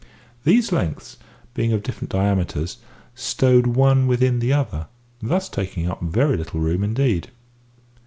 These lengths, being of different diameters, stowed one within the other, thus taking up very little room indeed.